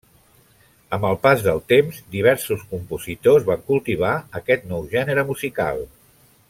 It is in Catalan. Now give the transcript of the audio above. Amb el pas del temps, diversos compositors van cultivar aquest nou gènere musical.